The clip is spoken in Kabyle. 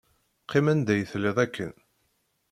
Qqim anda i telliḍ akken.